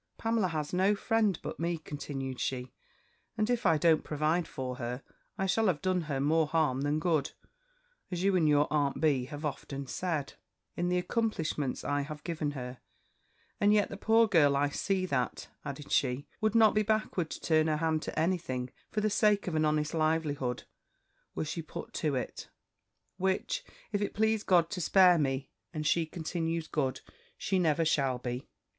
'Pamela has no friend but me,' continued she; 'and if I don't provide for her, I shall have done her more harm than good (as you and your aunt B. have often said,) in the accomplishments I have given her: and yet the poor girl, I see that,' added she, 'would not be backward to turn her hand to any thing for the sake of an honest livelihood, were she put to it; which, if it please God to spare me, and she continues good, she never shall be.'